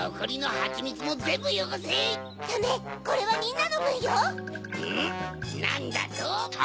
なんだと？